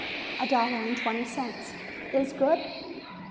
"A dollar and twenty cents." "Is good!"